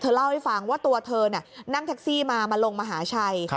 เล่าให้ฟังว่าตัวเธอนั่งแท็กซี่มามาลงมหาชัย